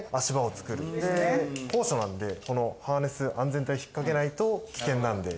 高所なんでこのハーネス安全帯引っかけないと危険なんで。